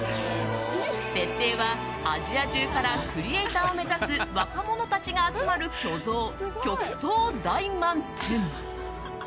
設定は、アジア中からクリエーターを目指す若者たちが集まる巨像極東大満天。